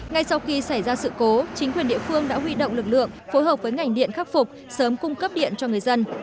ngay sau khi xảy ra sự cố chính quyền địa phương đã huy động lực lượng phối hợp với ngành điện khắc phục sớm cung cấp điện cho người dân